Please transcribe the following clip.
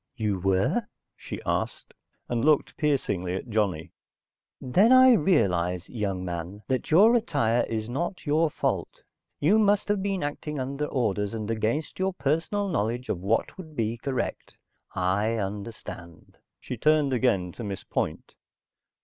"You were?" she asked, and looked piercingly at Johnny. "Then, I realize, young man, that your attire is not your fault. You must have been acting under orders, and against your personal knowledge of what would be correct. I understand." She turned again to Miss Point.